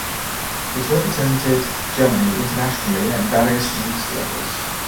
He has represented Germany internationally at various youth levels.